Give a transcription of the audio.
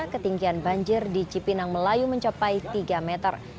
ketinggian banjir di cipinang melayu mencapai tiga meter